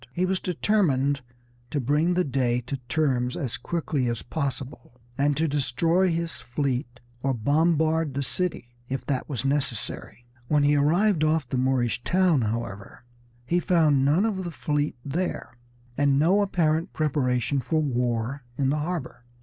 He was determined to bring the Dey to terms as quickly as possible, and to destroy his fleet, or bombard the city, if that was necessary. When he arrived off the Moorish town, however, he found none of the fleet there, and no apparent preparation for war in the harbor.